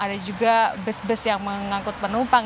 ada juga bus bus yang mengangkut penumpang